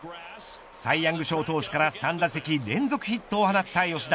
サイ・ヤング賞投手から３打席連続ヒットを放った吉田。